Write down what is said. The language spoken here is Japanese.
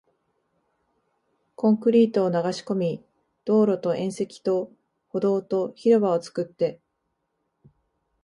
コンクリートを流し込み、道路と縁石と歩道と広場を作って